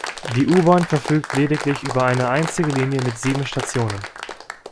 Die U-Bahn verfügt lediglich über eine einzige Linie mit sieben Stationen.